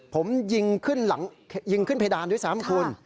ผมยิงขึ้นเพดานด้วย๓คน